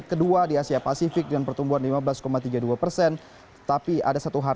tentu ucapan penghargaan itu